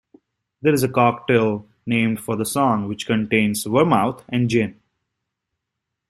There is a cocktail named for the song, which contains vermouth and gin.